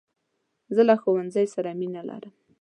زه له ښوونځۍ سره مینه لرم .